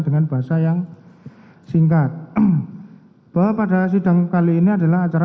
berencana terhadap brigadir yosua